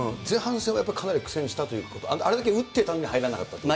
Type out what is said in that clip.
前半戦はかなり苦戦したということ、あれだけ打ってたのに入らなかった。